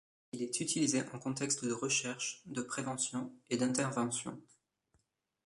Il est utilisé en contexte de recherche, de prévention et d’intervention.